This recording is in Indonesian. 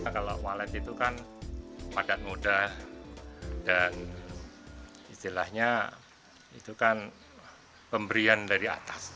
kalau walet itu kan padat muda dan istilahnya itu kan pemberian dari atas